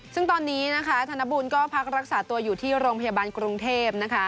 ซึ่งตอนนี้นะคะธนบุญก็พักรักษาตัวอยู่ที่โรงพยาบาลกรุงเทพนะคะ